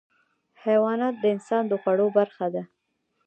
حیوانات د انسان د خوړو برخه دي.